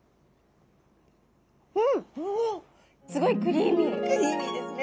うん。おお！？クリーミーですね。